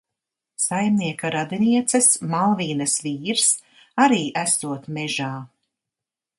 Saimnieka radinieces, Malvīnes vīrs, arī esot mežā.